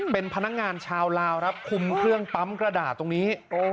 เป็นพนักงานชาวลาวครับคุมเครื่องปั๊มกระดาษตรงนี้